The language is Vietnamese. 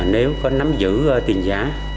nếu có nắm giữ tiền giả